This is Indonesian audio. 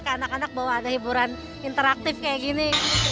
ke anak anak bawa ada hiburan interaktif kayak gini